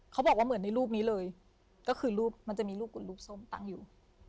เขาบอกว่าเหมือนในรูปนี้เลยก็คือรูปมันจะมีรูปกุดรูปส้มตั้งอยู่